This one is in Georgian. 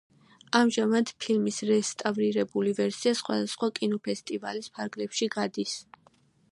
ამჟამად ფილმის რესტავრირებული ვერსია სხვადასხვა კინოფესტივალის ფარგლებში გადის.